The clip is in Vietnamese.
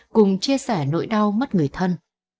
cùng chia sẻ nỗi đau mất người thân